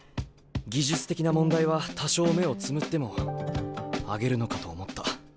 技術的な問題は多少目をつむっても上げるのかと思った。